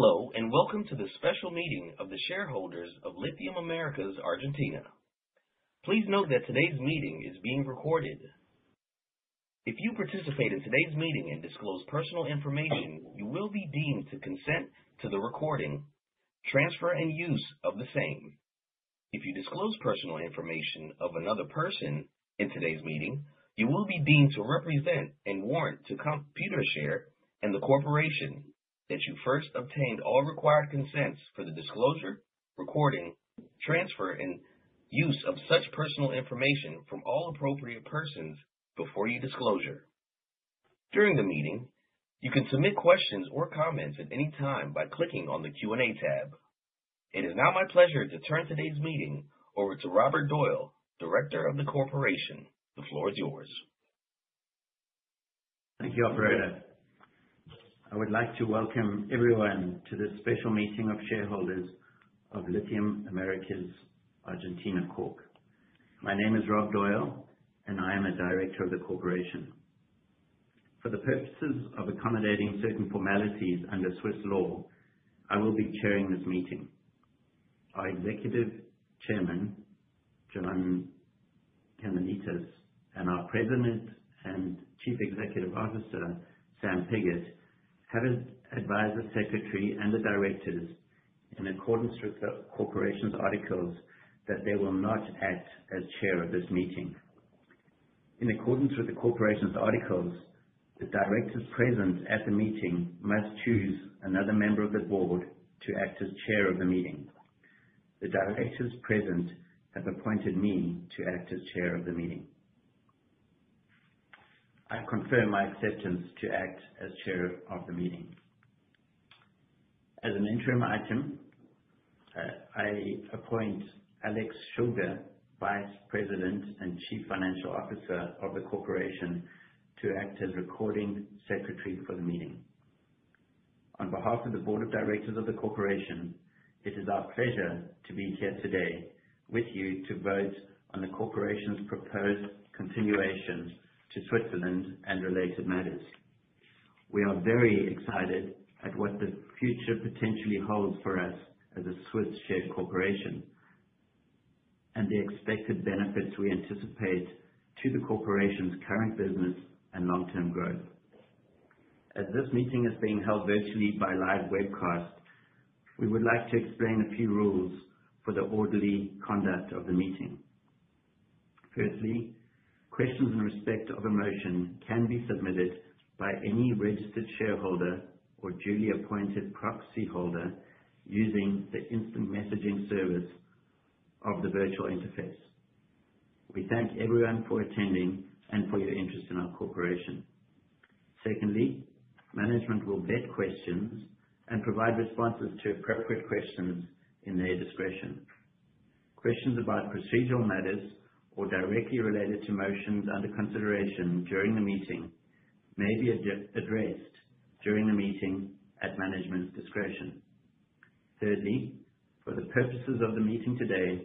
Hello, and welcome to the special meeting of the shareholders of Lithium Americas (Argentina). Please note that today's meeting is being recorded. If you participate in today's meeting and disclose personal information, you will be deemed to consent to the recording, transfer, and use of the same. If you disclose personal information of another person in today's meeting, you will be deemed to represent and warrant to Computershare and the corporation that you first obtained all required consents for the disclosure, recording, transfer, and use of such personal information from all appropriate persons before your disclosure. During the meeting, you can submit questions or comments at any time by clicking on the Q&A tab. It is now my pleasure to turn today's meeting over to Robert Doyle, Director of the Corporation. The floor is yours. Thank you, Operator. I would like to welcome everyone to this special meeting of shareholders of Lithium Americas (Argentina) Corp. My name is Rob Doyle, and I am a Director of the Corporation. For the purposes of accommodating certain formalities under Swiss law, I will be chairing this meeting. Our Executive Chairman, John Kanellitsas, and our President and Chief Executive Officer, Sam Pigott, have advised the Secretary and the Directors, in accordance with the Corporation's articles, that they will not act as Chair of this meeting. In accordance with the Corporation's articles, the Directors present at the meeting must choose another member of the board to act as Chair of the meeting. The Directors present have appointed me to act as Chair of the meeting. I confirm my acceptance to act as Chair of the meeting. As an interim item, I appoint Alex Shulga, Vice President and Chief Financial Officer of the Corporation, to act as Recording Secretary for the meeting. On behalf of the board of directors of the Corporation, it is our pleasure to be here today with you to vote on the Corporation's proposed continuation to Switzerland and related matters. We are very excited at what the future potentially holds for us as a Swiss share corporation and the expected benefits we anticipate to the Corporation's current business and long-term growth. As this meeting is being held virtually by live webcast, we would like to explain a few rules for the orderly conduct of the meeting. Firstly, questions in respect of a motion can be submitted by any registered shareholder or duly appointed proxy holder using the instant messaging service of the virtual interface. We thank everyone for attending and for your interest in our Corporation. Secondly, management will vet questions and provide responses to appropriate questions in their discretion. Questions about procedural matters or directly related to motions under consideration during the meeting may be addressed during the meeting at management's discretion. Thirdly, for the purposes of the meeting today,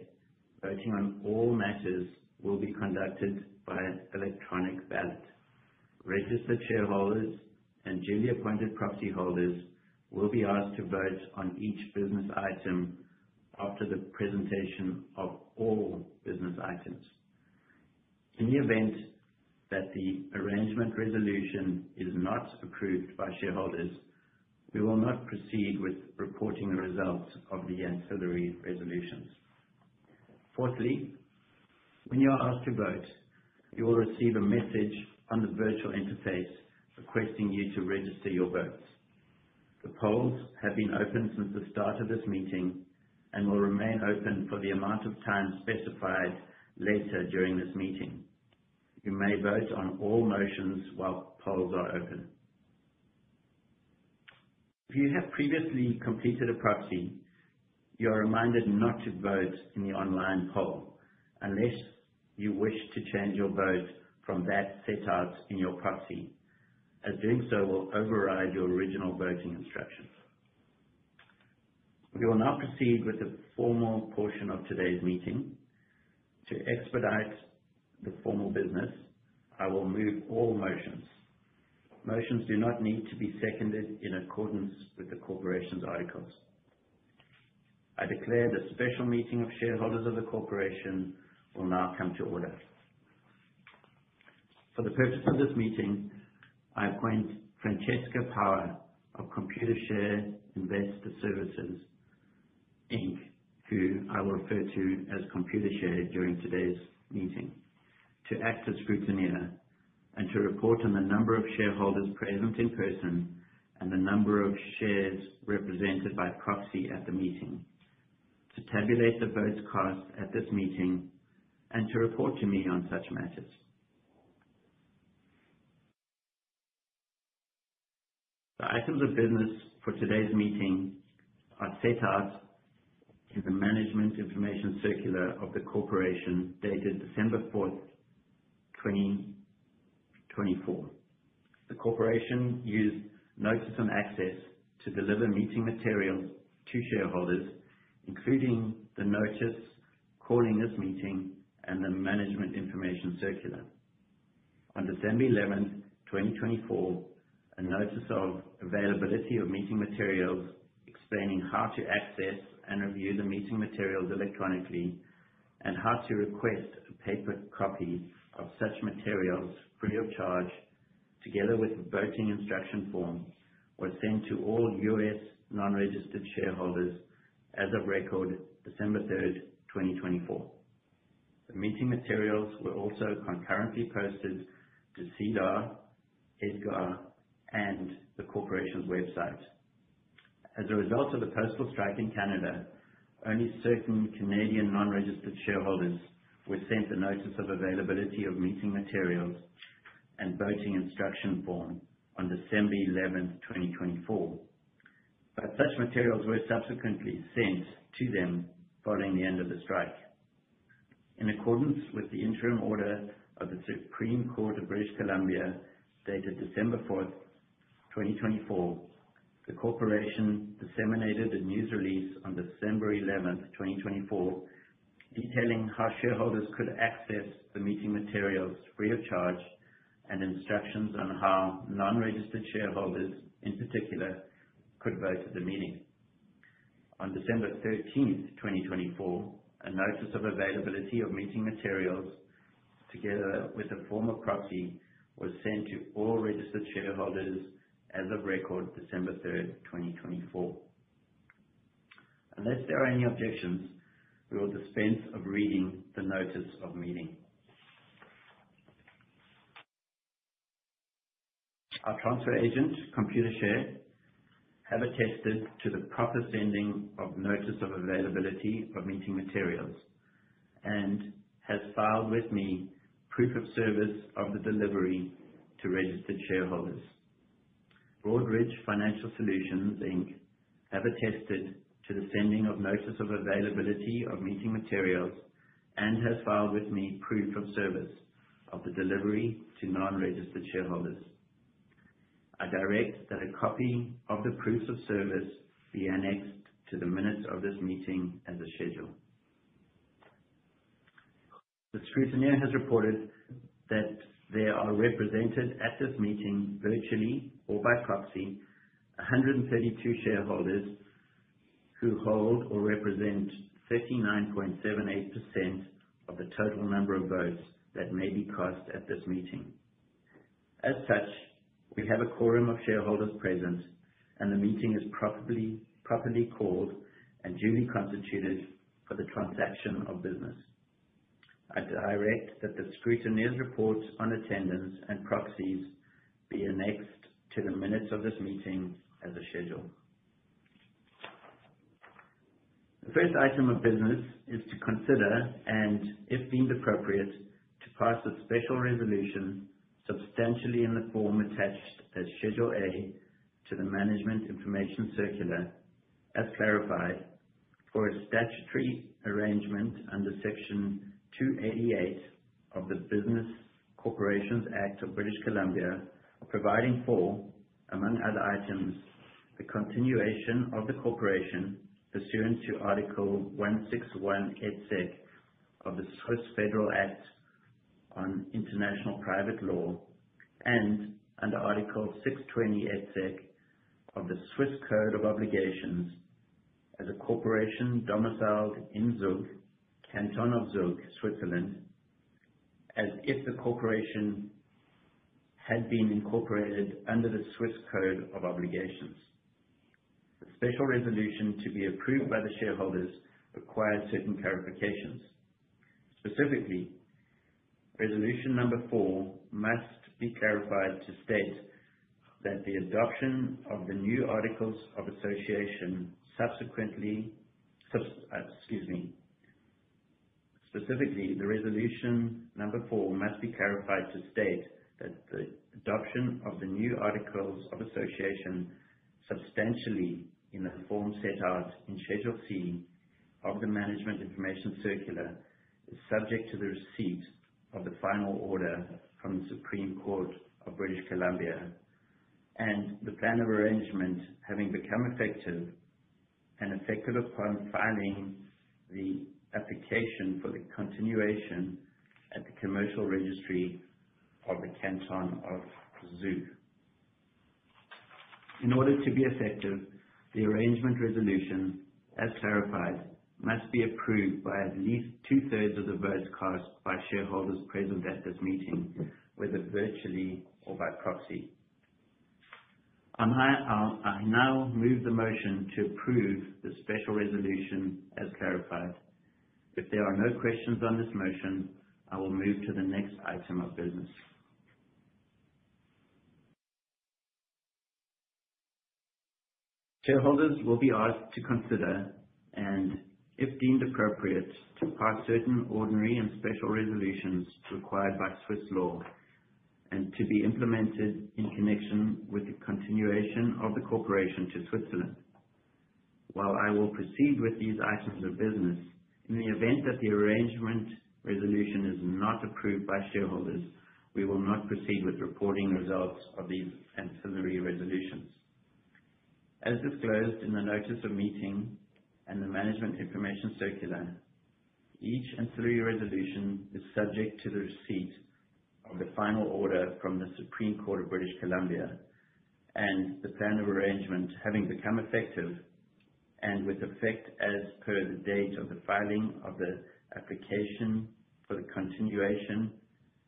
voting on all matters will be conducted by electronic ballot. Registered shareholders and duly appointed proxy holders will be asked to vote on each business item after the presentation of all business items. In the event that the Arrangement Resolution is not approved by shareholders, we will not proceed with reporting the results of the Ancillary Resolutions. Fourthly, when you are asked to vote, you will receive a message on the virtual interface requesting you to register your votes. The polls have been open since the start of this meeting and will remain open for the amount of time specified later during this meeting. You may vote on all motions while polls are open. If you have previously completed a proxy, you are reminded not to vote in the online poll unless you wish to change your vote from that set out in your proxy, as doing so will override your original voting instructions. We will now proceed with the formal portion of today's meeting. To expedite the formal business, I will move all motions. Motions do not need to be seconded in accordance with the Corporation's articles. I declare the special meeting of shareholders of the Corporation will now come to order. For the purpose of this meeting, I appoint Francesca Power of Computershare Investor Services, Inc., who I will refer to as Computershare during today's meeting, to act as scrutineer and to report on the number of shareholders present in person and the number of shares represented by proxy at the meeting, to tabulate the votes cast at this meeting, and to report to me on such matters. The items of business for today's meeting are set out in the Management Information Circular of the Corporation dated December 4th, 2024. The Corporation used notice of access to deliver meeting materials to shareholders, including the notice calling this meeting and the Management Information Circular. On December 11, 2024, a notice of availability of meeting materials explaining how to access and review the meeting materials electronically and how to request a paper copy of such materials free of charge together with voting instruction forms were sent to all U.S. non-registered shareholders as of record December 3rd, 2024. The meeting materials were also concurrently posted to SEDAR, EDGAR, and the Corporation's website. As a result of the postal strike in Canada, only certain Canadian non-registered shareholders were sent the notice of availability of meeting materials and voting instruction form on December 11, 2024, but such materials were subsequently sent to them following the end of the strike. In accordance with the interim order of the Supreme Court of British Columbia dated December 4th, 2024, the Corporation disseminated a news release on December 11, 2024, detailing how shareholders could access the meeting materials free of charge and instructions on how non-registered shareholders, in particular, could vote at the meeting. On December 13, 2024, a notice of availability of meeting materials together with a form of proxy was sent to all registered shareholders as of record December 3rd, 2024. Unless there are any objections, we will dispense of reading the notice of meeting. Our transfer agent, Computershare, have attested to the proper sending of notice of availability of meeting materials and has filed with me proof of service of the delivery to registered shareholders. Broadridge Financial Solutions, Inc., have attested to the sending of notice of availability of meeting materials and has filed with me proof of service of the delivery to non-registered shareholders. I direct that a copy of the proofs of service be annexed to the minutes of this meeting as a schedule. The scrutineer has reported that there are represented at this meeting virtually or by proxy 132 shareholders who hold or represent 39.78% of the total number of votes that may be cast at this meeting. As such, we have a quorum of shareholders present, and the meeting is properly called and duly constituted for the transaction of business. I direct that the scrutineer's reports on attendance and proxies be annexed to the minutes of this meeting as a schedule. The first item of business is to consider and, if deemed appropriate, to pass a special resolution substantially in the form attached as Schedule "A" to the Management Information Circular, as clarified, for a statutory arrangement under Section 288 of the Business Corporations Act of British Columbia, providing for, among other items, the continuation of the Corporation pursuant to Article 161 et seq. of the Swiss Federal Act on International Private Law and under Article 620 et seq. of the Swiss Code of Obligations as a Corporation domiciled in Zug, Canton of Zug, Switzerland, as if the Corporation had been incorporated under the Swiss Code of Obligations. The special resolution to be approved by the shareholders requires certain clarifications. Specifically, Resolution No. 4 must be clarified to state that the adoption of the new Articles of Association substantially in the form set out in Schedule "C" of the Management Information Circular is subject to the receipt of the final order from the Supreme Court of British Columbia, and the plan of arrangement having become effective upon filing the application for the continuation at the commercial registry of the Canton of Zug. In order to be effective, the Arrangement Resolution, as clarified, must be approved by at least two-thirds of the votes cast by shareholders present at this meeting, whether virtually or by proxy. I now move the motion to approve the special resolution as clarified. If there are no questions on this motion, I will move to the next item of business. Shareholders will be asked to consider and, if deemed appropriate, to pass certain ordinary and special resolutions required by Swiss law and to be implemented in connection with the continuation of the Corporation to Switzerland. While I will proceed with these items of business, in the event that the Arrangement Resolution is not approved by shareholders, we will not proceed with reporting the results of these Ancillary Resolutions. As disclosed in the notice of meeting and the Management Information Circular, each Ancillary Resolution is subject to the receipt of the final order from the Supreme Court of British Columbia, and the plan of arrangement having become effective and with effect as per the date of the filing of the application for the continuation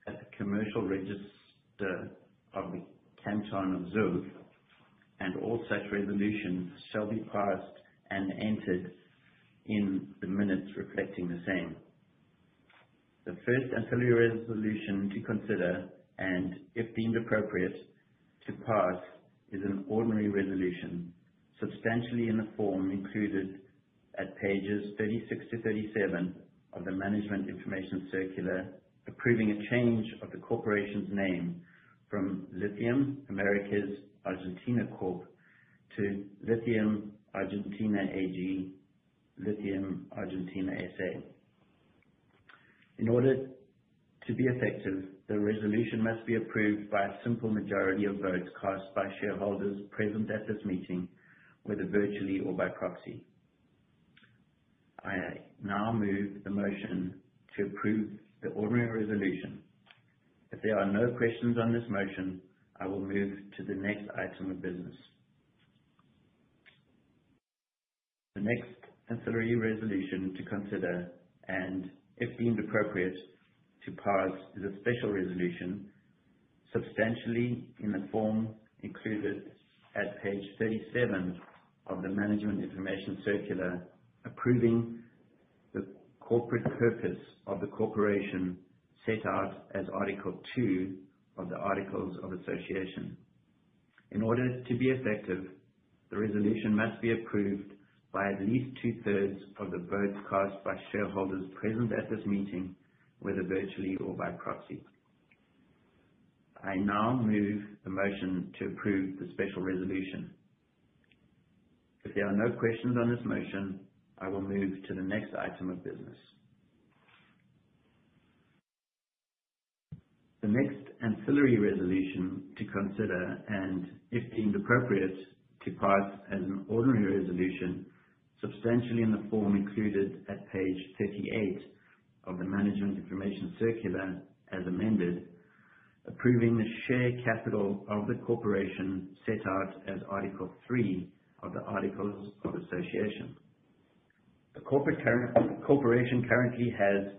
at the commercial registry of the Canton of Zug, and all such resolutions shall be passed and entered in the minutes reflecting the same. The first Ancillary Resolution to consider and, if deemed appropriate, to pass is an ordinary resolution substantially in the form included at pages 36 to 37 of the Management Information Circular approving a change of the Corporation's name from Lithium Americas (Argentina) Corp to Lithium Argentina AG/Lithium Argentina SA. In order to be effective, the resolution must be approved by a simple majority of votes cast by shareholders present at this meeting, whether virtually or by proxy. I now move the motion to approve the ordinary resolution. If there are no questions on this motion, I will move to the next item of business. The next Ancillary Resolution to consider and, if deemed appropriate, to pass is a special resolution substantially in the form included at page 37 of the Management Information Circular approving the corporate purpose of the Corporation set out as Article 2 of the Articles of Association. In order to be effective, the resolution must be approved by at least two-thirds of the votes cast by shareholders present at this meeting, whether virtually or by proxy. I now move the motion to approve the special resolution. If there are no questions on this motion, I will move to the next item of business. The next Ancillary Resolution to consider and, if deemed appropriate, to pass as an ordinary resolution substantially in the form included at page 38 of the Management Information Circular as amended, approving the share capital of the Corporation set out as Article 3 of the Articles of Association. The Corporation currently has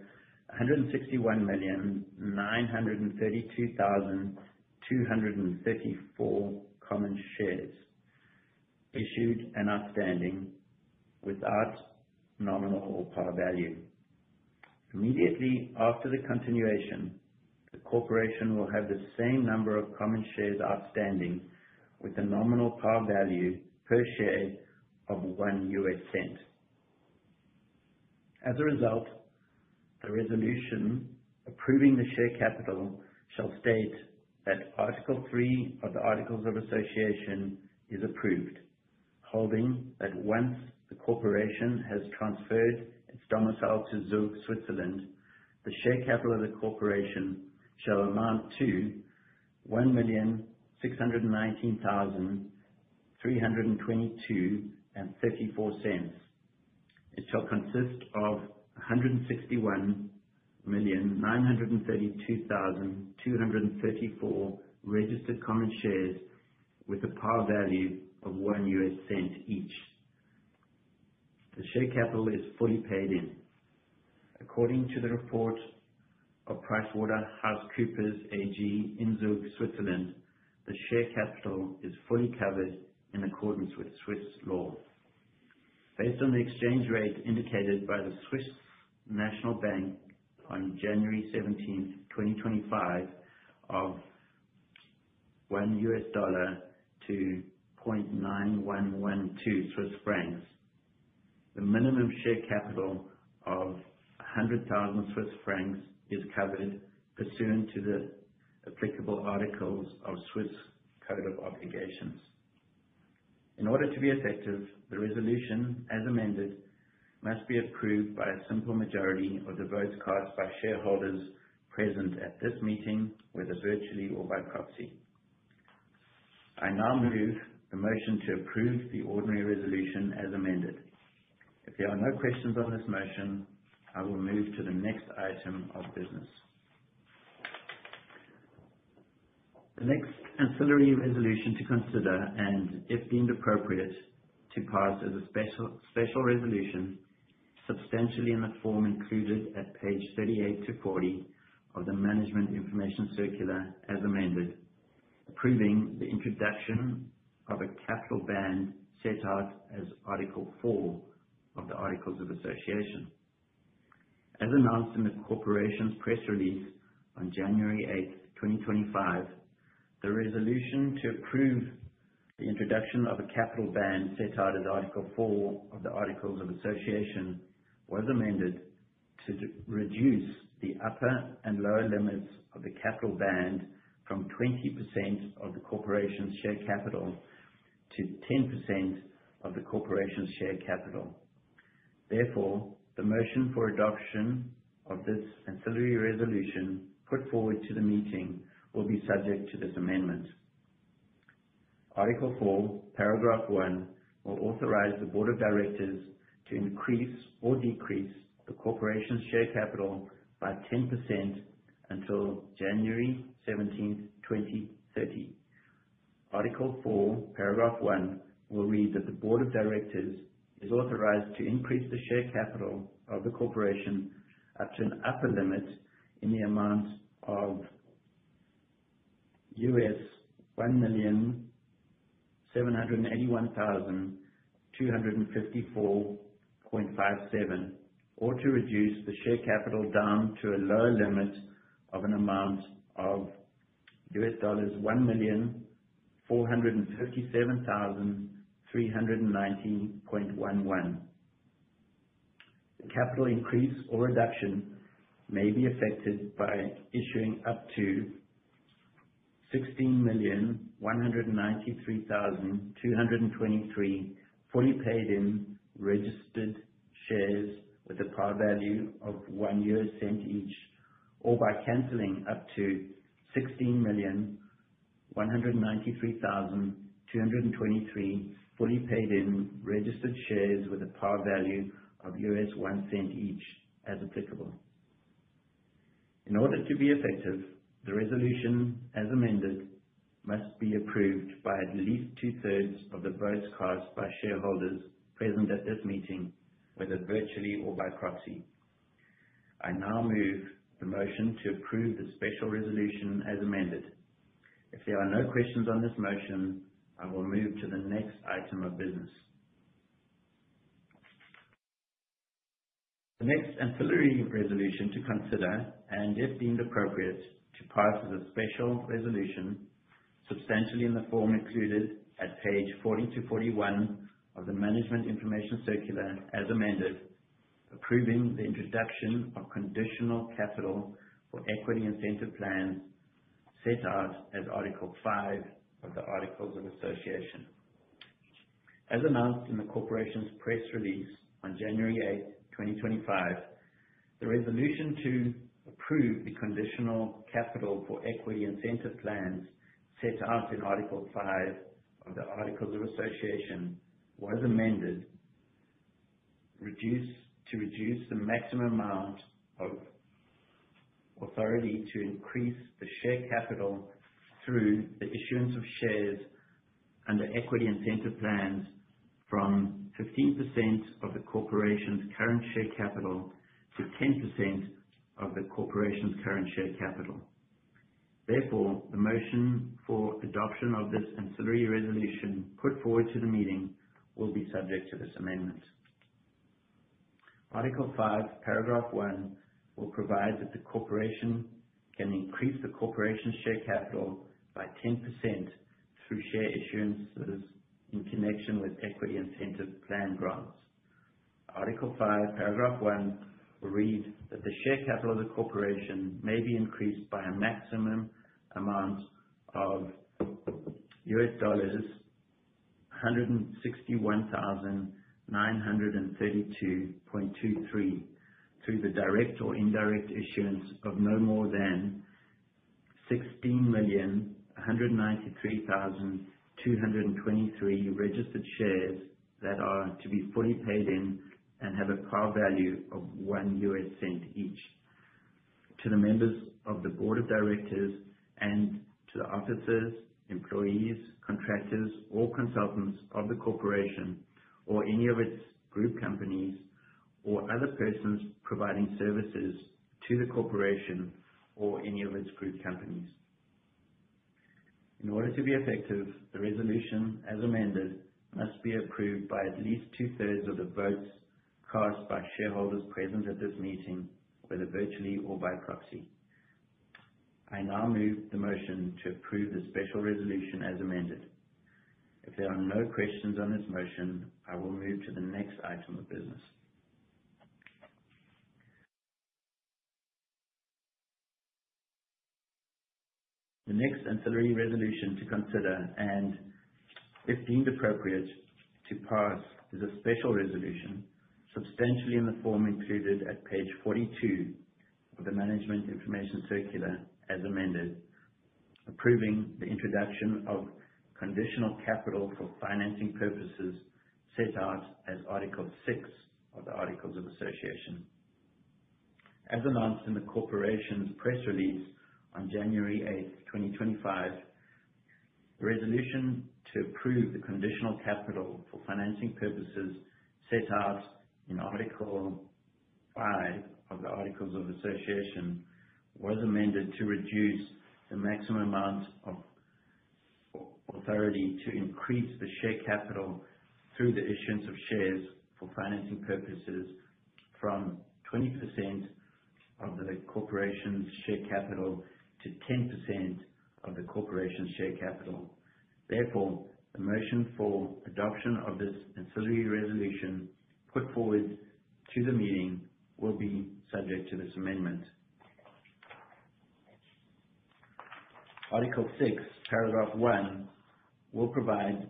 161,932,234 common shares issued and outstanding without nominal or par value. Immediately after the continuation, the Corporation will have the same number of common shares outstanding with a nominal par value per share of $0.01. As a result, the resolution approving the share capital shall state that Article 3 of the Articles of Association is approved, holding that once the Corporation has transferred its domicile to Zug, Switzerland, the share capital of the Corporation shall amount to $1,619,322.34. It shall consist of 161,932,234 registered common shares with a par value of $0.01 each. The share capital is fully paid in. According to the report of PricewaterhouseCoopers AG in Zug, Switzerland, the share capital is fully covered in accordance with Swiss law. Based on the exchange rate indicated by the Swiss National Bank on January 17, 2025, of $1 to CHF 0.9112, the minimum share capital of 100,000 Swiss francs is covered pursuant to the applicable articles of the Swiss Code of Obligations. In order to be effective, the resolution as amended must be approved by a simple majority of the votes cast by shareholders present at this meeting, whether virtually or by proxy. I now move the motion to approve the ordinary resolution as amended. If there are no questions on this motion, I will move to the next item of business. The next Ancillary Resolution to consider and, if deemed appropriate, to pass as a special resolution substantially in the form included at pages 38 to 40 of the Management Information Circular as amended, approving the introduction of a capital band set out as Article 4 of the Articles of Association. As announced in the Corporation's press release on January 8, 2025, the resolution to approve the introduction of a capital band set out as Article 4 of the Articles of Association was amended to reduce the upper and lower limits of the capital band from 20% of the Corporation's share capital to 10% of the Corporation's share capital. Therefore, the motion for adoption of this Ancillary Resolution put forward to the meeting will be subject to this amendment. Article 4, paragraph 1, will authorize the board of directors to increase or decrease the Corporation's share capital by 10% until January 17, 2030. Article 4, paragraph 1, will read that the board of directors is authorized to increase the share capital of the Corporation up to an upper limit in the amount of $1,781,254.57 or to reduce the share capital down to a lower limit of an amount of $1,457,319.11. The capital increase or reduction may be effected by issuing up to 16,193,223 fully paid-in registered shares with a par value of $0.01 each or by canceling up to 16,193,223 fully paid-in registered shares with a par value of $0.01 each as applicable. In order to be effective, the resolution as amended must be approved by at least two-thirds of the votes cast by shareholders present at this meeting, whether virtually or by proxy. I now move the motion to approve the special resolution as amended. If there are no questions on this motion, I will move to the next item of business. The next Ancillary Resolution to consider and, if deemed appropriate, to pass as a special resolution substantially in the form included at page 40 to 41 of the Management Information Circular as amended, approving the introduction of conditional capital for equity incentive plans set out as Article 5 of the Articles of Association. As announced in the Corporation's press release on January 8, 2025, the resolution to approve the conditional capital for equity incentive plans set out in Article 5 of the Articles of Association was amended to reduce the maximum amount of authority to increase the share capital through the issuance of shares under equity incentive plans from 15% of the Corporation's current share capital to 10% of the Corporation's current share capital. Therefore, the motion for adoption of this Ancillary Resolution put forward to the meeting will be subject to this amendment. Article 5, paragraph 1, will provide that the Corporation can increase the Corporation's share capital by 10% through share issuances in connection with equity incentive plan grants. Article 5, paragraph 1, will read that the share capital of the Corporation may be increased by a maximum amount of $161,932.23 through the direct or indirect issuance of no more than 16,193,223 registered shares that are to be fully paid in and have a par value of $0.01 each to the members of the board of directors and to the officers, employees, contractors, or consultants of the Corporation or any of its group companies or other persons providing services to the Corporation or any of its group companies. In order to be effective, the resolution as amended must be approved by at least two-thirds of the votes cast by shareholders present at this meeting, whether virtually or by proxy. I now move the motion to approve the special resolution as amended. If there are no questions on this motion, I will move to the next item of business. The next Ancillary Resolution to consider and, if deemed appropriate, to pass is a special resolution substantially in the form included at page 42 of the Management Information Circular as amended, approving the introduction of conditional capital for financing purposes set out as Article 6 of the Articles of Association. As announced in the Corporation's press release on January 8, 2025, the resolution to approve the conditional capital for financing purposes set out in Article 5 of the Articles of Association was amended to reduce the maximum amount of authority to increase the share capital through the issuance of shares for financing purposes from 20% of the Corporation's share capital to 10% of the Corporation's share capital. Therefore, the motion for adoption of this Ancillary Resolution put forward to the meeting will be subject to this amendment. Article 6, paragraph 1, will provide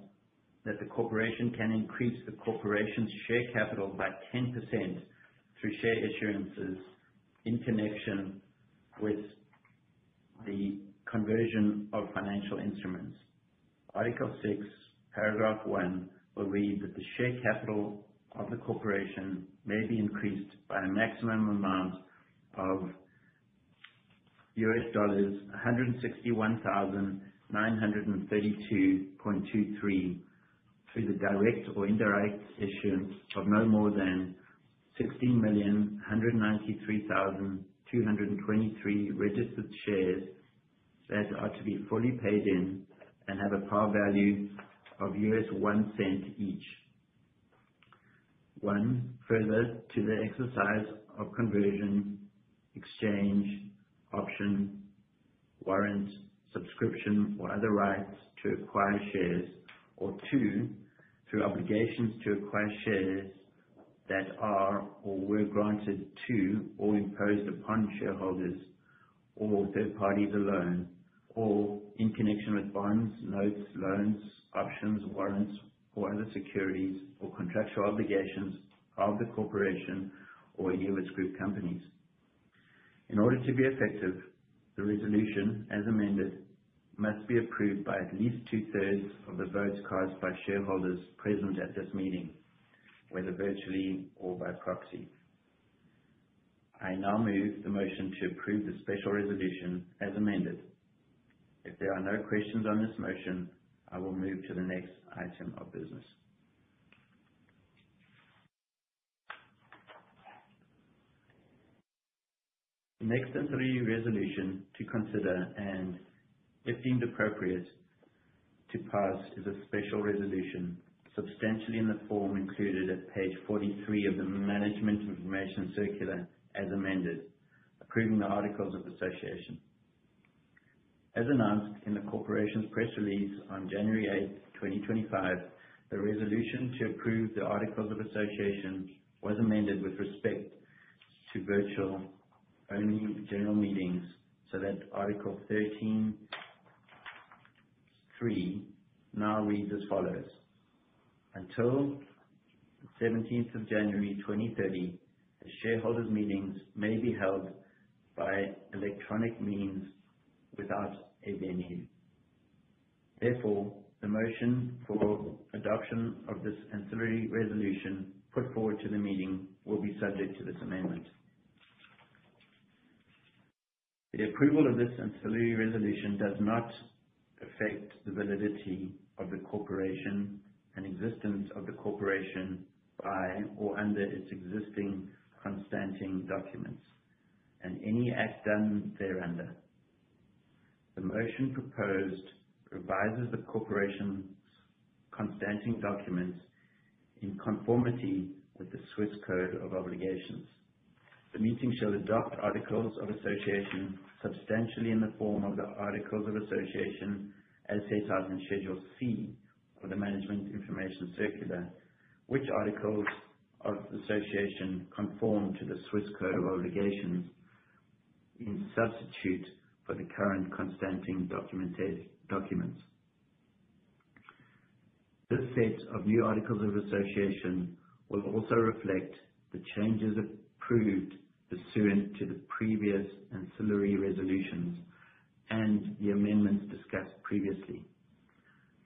that the Corporation can increase the Corporation's share capital by 10% through share issuances in connection with the conversion of financial instruments. Article 6, paragraph 1, will read that the share capital of the Corporation may be increased by a maximum amount of $161,932.23 through the direct or indirect issuance of no more than 16,193,223 registered shares that are to be fully paid in and have a par value of $0.01 each. One, further to the exercise of conversion, exchange, option, warrant, subscription, or other rights to acquire shares, or two, through obligations to acquire shares that are or were granted to or imposed upon shareholders or third parties alone, or in connection with bonds, notes, loans, options, warrants, or other securities or contractual obligations of the Corporation or any of its group companies. In order to be effective, the resolution as amended must be approved by at least two-thirds of the votes cast by shareholders present at this meeting, whether virtually or by proxy. I now move the motion to approve the special resolution as amended. If there are no questions on this motion, I will move to the next item of business. The next Ancillary Resolution to consider and, if deemed appropriate, to pass is a special resolution substantially in the form included at page 43 of the Management Information Circular as amended, approving the Articles of Association. As announced in the Corporation's press release on January 8, 2025, the resolution to approve the Articles of Association was amended with respect to virtual-only general meetings so that Article 13(3) now reads as follows: Until the 17th of January 2030, shareholders' meetings may be held by electronic means without a venue. Therefore, the motion for adoption of this Ancillary Resolution put forward to the meeting will be subject to this amendment. The approval of this Ancillary Resolution does not affect the validity and existence of the Corporation by or under its existing constituting documents and any act done thereunder. The motion proposed revises the Corporation's constating documents in conformity with the Swiss Code of Obligations. The meeting shall adopt Articles of Association substantially in the form of the Articles of Association as set out in Schedule "C" of the Management Information Circular, which Articles of Association conform to the Swiss Code of Obligations in substitute for the current constating documents. This set of new Articles of Association will also reflect the changes approved pursuant to the previous Ancillary Resolutions and the amendments discussed previously.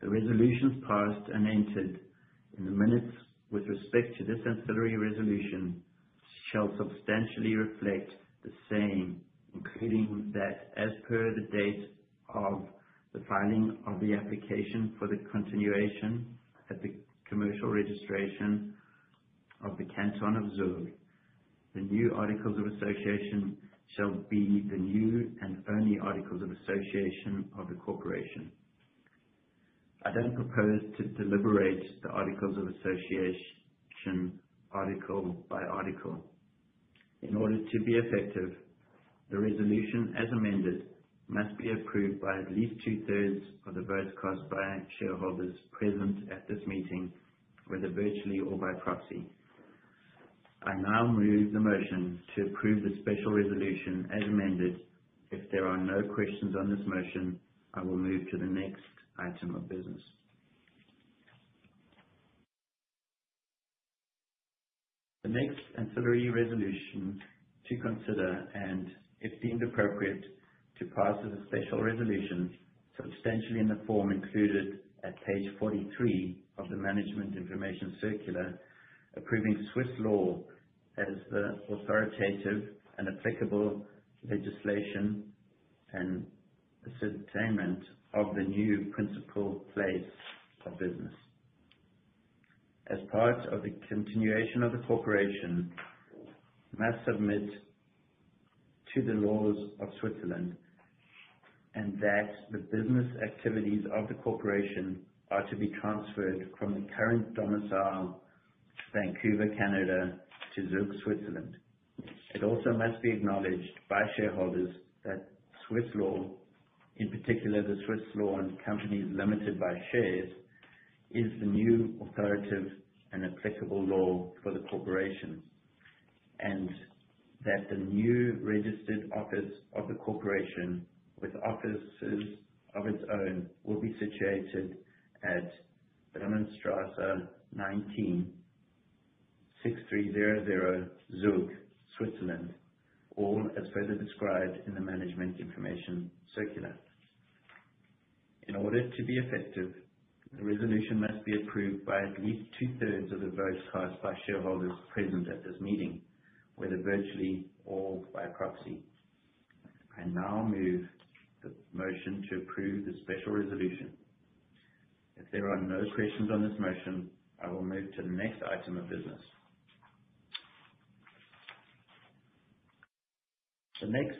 The resolutions passed and entered in the minutes with respect to this Ancillary Resolution shall substantially reflect the same, including that as per the date of the filing of the application for the continuation at the commercial registration of the Canton of Zug, the new Articles of Association shall be the new and only Articles of Association of the Corporation. I don't propose to deliberate the Articles of Association article by article. In order to be effective, the resolution as amended must be approved by at least two-thirds of the votes cast by shareholders present at this meeting, whether virtually or by proxy. I now move the motion to approve the special resolution as amended. If there are no questions on this motion, I will move to the next item of business. The next Ancillary Resolution to consider and, if deemed appropriate, to pass as a special resolution substantially in the form included at page 43 of the Management Information Circular approving Swiss law as the authoritative and applicable legislation and ascertainment of the new principal place of business. As part of the continuation of the Corporation, must submit to the laws of Switzerland and that the business activities of the Corporation are to be transferred from the current domicile, Vancouver, Canada, to Zug, Switzerland. It also must be acknowledged by shareholders that Swiss law, in particular the Swiss law on companies limited by shares, is the new authoritative and applicable law for the Corporation and that the new registered office of the Corporation with offices of its own will be situated at Brunnenstraße 19/ 6300 Zug, Switzerland, all as further described in the Management Information Circular. In order to be effective, the resolution must be approved by at least two-thirds of the votes cast by shareholders present at this meeting, whether virtually or by proxy. I now move the motion to approve the special resolution. If there are no questions on this motion, I will move to the next item of business. The next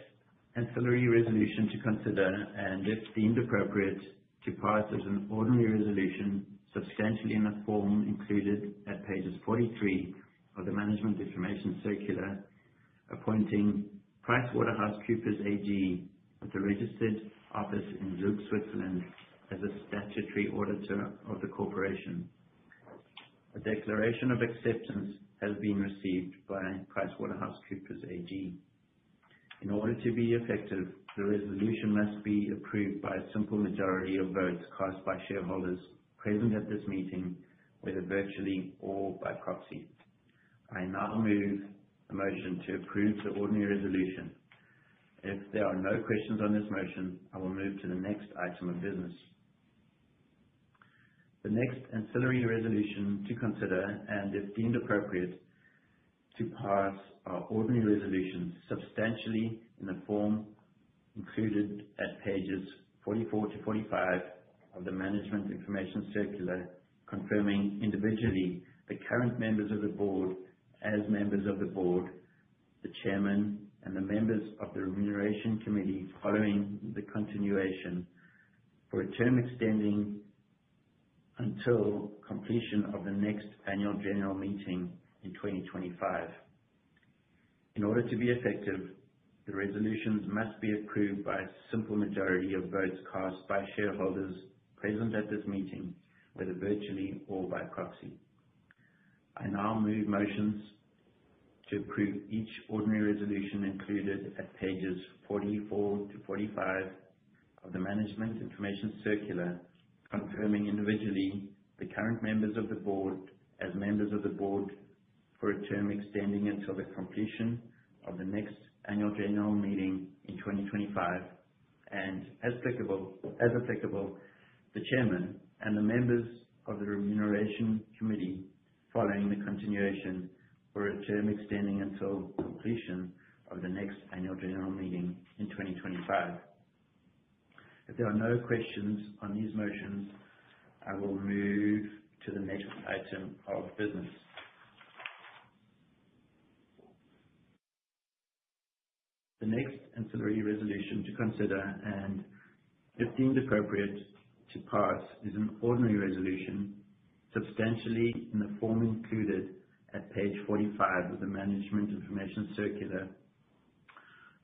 Ancillary Resolution to consider and, if deemed appropriate, to pass as an ordinary resolution substantially in the form included at pages 43 of the Management Information Circular appointing PricewaterhouseCoopers AG, with the registered office in Zug, Switzerland, as a statutory auditor of the Corporation. A declaration of acceptance has been received by PricewaterhouseCoopers AG. In order to be effective, the resolution must be approved by a simple majority of votes cast by shareholders present at this meeting, whether virtually or by proxy. I now move the motion to approve the ordinary resolution. If there are no questions on this motion, I will move to the next item of business. The next Ancillary Resolution to consider and, if deemed appropriate, to pass are ordinary resolutions substantially in the form included at pages 44 to 45 of the Management Information Circular confirming individually the current members of the board as members of the board, the chairman, and the members of the remuneration committee following the continuation for a term extending until completion of the next annual general meeting in 2025. In order to be effective, the resolutions must be approved by a simple majority of votes cast by shareholders present at this meeting, whether virtually or by proxy. I now move motions to approve each ordinary resolution included at pages 44 to 45 of the Management Information Circular confirming individually the current members of the board as members of the board for a term extending until the completion of the next annual general meeting in 2025 and, as applicable, the chairman and the members of the remuneration committee following the continuation for a term extending until completion of the next annual general meeting in 2025. If there are no questions on these motions, I will move to the next item of business. The next Ancillary Resolution to consider and, if deemed appropriate, to pass is an ordinary resolution substantially in the form included at page 45 of the Management Information Circular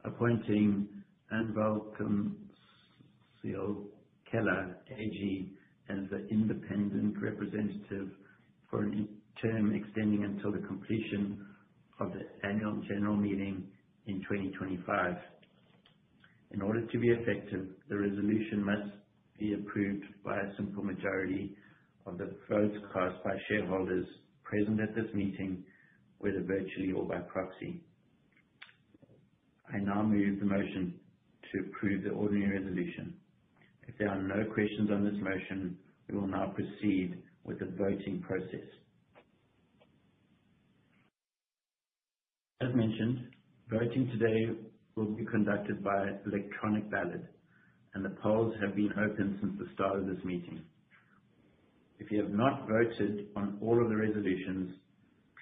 appointing Anwaltskanzlei Keller AG as the independent representative for a term extending until the completion of the annual general meeting in 2025. In order to be effective, the resolution must be approved by a simple majority of the votes cast by shareholders present at this meeting, whether virtually or by proxy. I now move the motion to approve the ordinary resolution. If there are no questions on this motion, we will now proceed with the voting process. As mentioned, voting today will be conducted by electronic ballot, and the polls have been open since the start of this meeting. If you have not voted on all of the resolutions,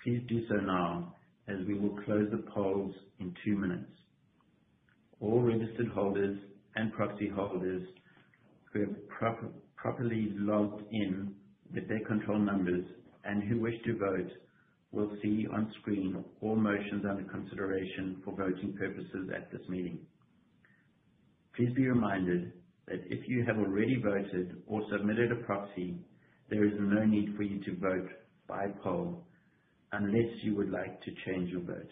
please do so now as we will close the polls in two minutes. All registered holders and proxy holders who have properly logged in with their control numbers and who wish to vote will see on screen all motions under consideration for voting purposes at this meeting. Please be reminded that if you have already voted or submitted a proxy, there is no need for you to vote by poll unless you would like to change your vote.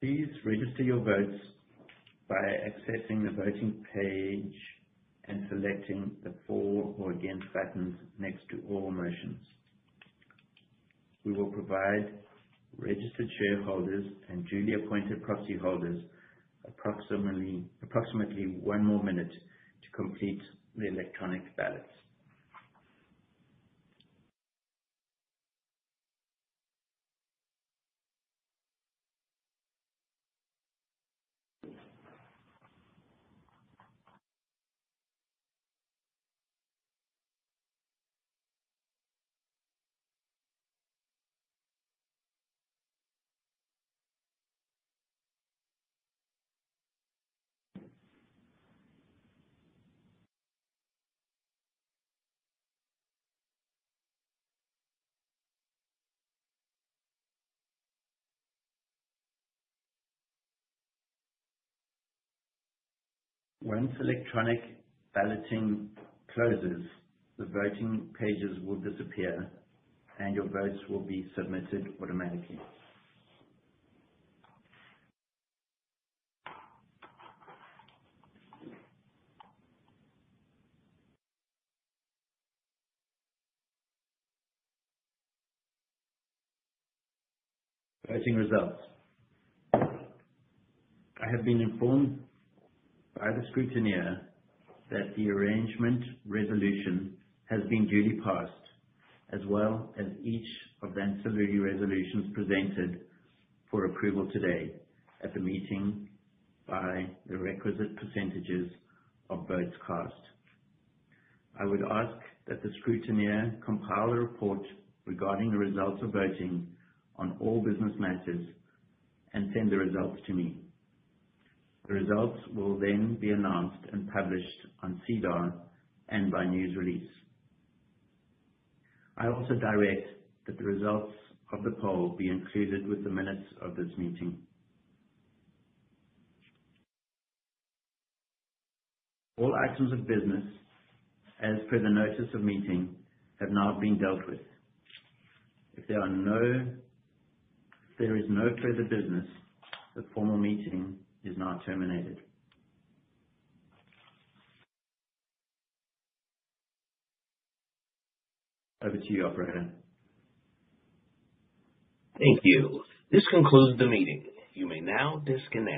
Please register your votes by accessing the voting page and selecting the for or against buttons next to all motions. We will provide registered shareholders and duly appointed proxy holders approximately one more minute to complete the electronic ballots. Once electronic balloting closes, the voting pages will disappear and your votes will be submitted automatically. Voting results. I have been informed by the scrutineer that the Arrangement Resolution has been duly passed, as well as each of the Ancillary Resolutions presented for approval today at the meeting by the requisite percentages of votes cast. I would ask that the scrutineer compile the report regarding the results of voting on all business matters and send the results to me. The results will then be announced and published on SEDAR and by news release. I also direct that the results of the poll be included with the minutes of this meeting. All items of business as per the notice of meeting have now been dealt with. If there is no further business, the formal meeting is now terminated. Over to you, Operator. Thank you. This concludes the meeting. You may now disconnect.